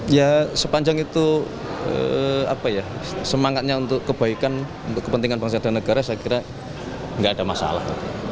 ya sepanjang itu semangatnya untuk kebaikan untuk kepentingan bangsa dan negara saya kira nggak ada masalah